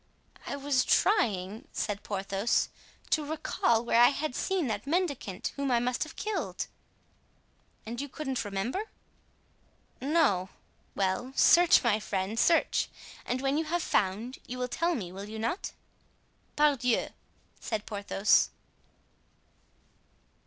"I was trying," said Porthos, "to recall where I had seen that mendicant whom I must have killed." "And you couldn't remember?" "No." "Well, search, my friend, search; and when you have found, you will tell me, will you not?" "Pardieu!" said Porthos.